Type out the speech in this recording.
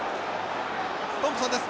トンプソンです。